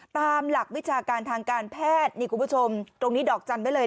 ตามหลักวิชาการทางการแพทย์นี่คุณผู้ชมตรงนี้ดอกจันทร์ไว้เลย